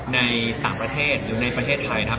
ในต่างประเทศหรือในประเทศไทยนะครับ